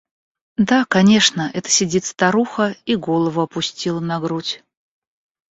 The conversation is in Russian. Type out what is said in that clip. Да, конечно, это сидит старуха и голову опустила на грудь.